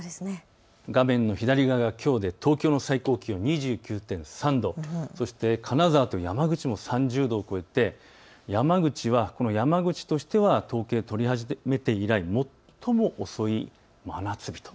画面の左側がきょうで東京の最高気温２９．３度、金沢と山口も３０度を超えて山口としては統計を取り始めて以来最も遅い真夏日と。